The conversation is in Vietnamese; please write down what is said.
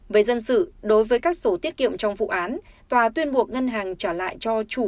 về dân sự đối với các sổ tiết kiệm trong vụ án tòa tuyên buộc ngân hàng trả lại cho chủ